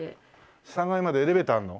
３階までエレベーターあるの？